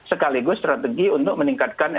sekaligus strategi untuk meningkatkan